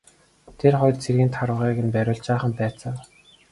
Тэр хоёр цэргийг тарвагыг нь бариулж жаахан байцаав.